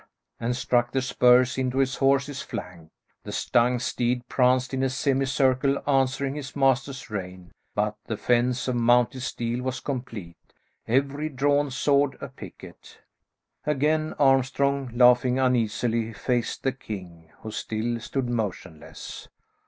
and struck the spurs into his horse's flank. The stung steed pranced in a semi circle answering his master's rein, but the fence of mounted steel was complete, every drawn sword a picket. Again Armstrong, laughing uneasily, faced the king, who still stood motionless.